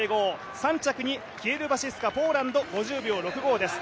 ３着にキエルバシスカポーランド５０秒６５です。